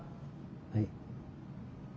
はい。